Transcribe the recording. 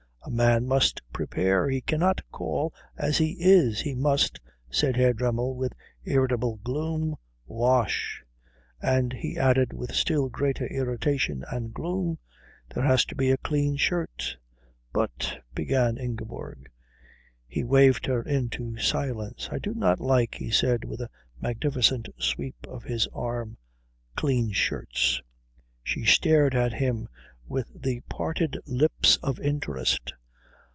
"A man must prepare, he cannot call as he is. He must," said Herr Dremmel with irritable gloom, "wash." And he added with still greater irritation and gloom, "There has to be a clean shirt." "But " began Ingeborg. He waved her into silence. "I do not like," he said, with a magnificent sweep of his arm, "clean shirts." She stared at him with the parted lips of interest.